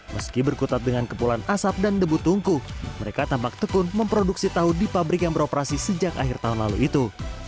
meski berkutat dengan kepulan asap dan debu tungku mereka tampak tekun memproduksi tahu di pabrik yang beroperasi sejak akhir tahun lalu itu